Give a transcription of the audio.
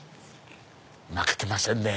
負けてませんね。